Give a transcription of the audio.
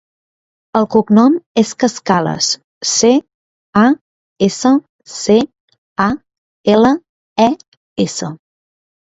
El cognom és Cascales: ce, a, essa, ce, a, ela, e, essa.